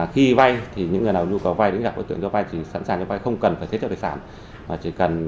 khi vay những người nào nhu cầu vay đến gặp đối tượng cho vay chỉ sẵn sàng cho vay không cần phải thế chất lịch sản